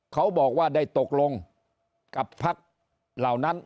เขาบอกว่าได้ตกลงกับพักเหล่านั้น